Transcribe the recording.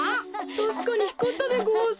たしかにひかったでごわす。